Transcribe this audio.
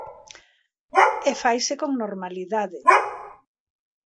E faise con normalidade.